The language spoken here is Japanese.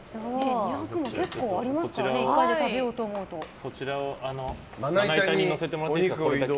こちらをまな板に載せてもらっていいですか。